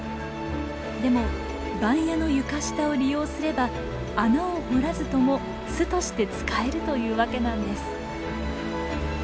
でも番屋の床下を利用すれば穴を掘らずとも巣として使えるというわけなんです。